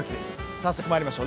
早速参りましょう。